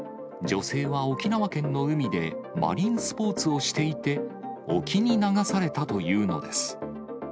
女性は沖縄県の海で、マリンスポーツをしていて、沖に流されたというのです。